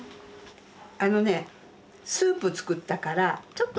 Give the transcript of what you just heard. あのねスープ作ったからちょっと。